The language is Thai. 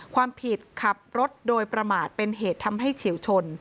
ความผิดขับรถโดยประมาทเป็นเหตุทำให้เฉียวชน